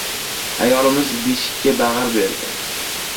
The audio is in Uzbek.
Ayolimiz beshikka bag‘ir berdi.